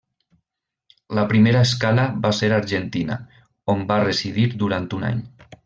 La primera escala va ser Argentina, on va residir durant un any.